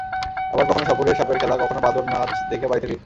আবার কখনো সাপুড়ের সাপের খেলা, কখনো বাঁদর নাচ দেখে বাড়িতে ফিরতাম।